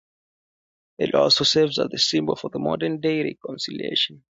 It also serves as a symbol of modern-day reconciliation.